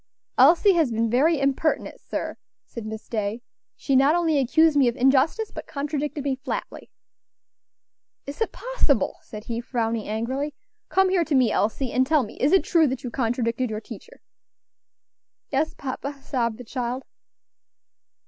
"Elsie has been very impertinent, sir," said Miss Day; "she not only accused me of injustice, but contradicted me flatly." "Is it possible!" said he, frowning angrily. "Come here to me, Elsie, and tell me, is it true that you contradicted your teacher?" "Yes, papa," sobbed the child.